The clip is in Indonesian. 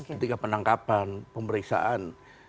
ketika penangkapan pemeriksaan